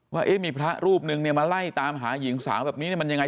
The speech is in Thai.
ว่ามีพระรูปนึงเนี่ยมาไล่ตามหาหญิงสาวแบบนี้มันยังไง